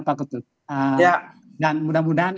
pak ketut dan mudah mudahan